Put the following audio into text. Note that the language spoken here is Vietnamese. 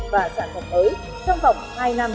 và sản phẩm mới trong vòng hai năm